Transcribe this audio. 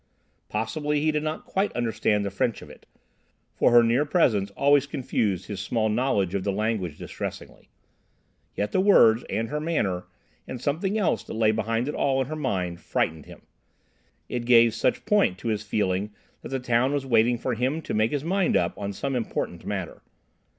Possibly he did not quite understand the French of it, for her near presence always confused his small knowledge of the language distressingly. Yet the words, and her manner, and something else that lay behind it all in her mind, frightened him. It gave such point to his feeling that the town was waiting for him to make his mind up on some important matter.